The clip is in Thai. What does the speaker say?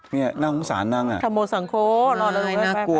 นี่น้องสารนางนะ